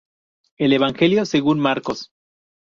El evangelio según Marcos.